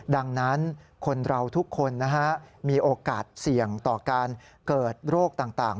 ดังนั้นคนเราทุกคนมีโอกาสเสี่ยงต่อการเกิดโรคต่าง